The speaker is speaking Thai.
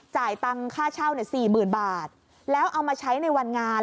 ตังค่าเช่า๔๐๐๐บาทแล้วเอามาใช้ในวันงาน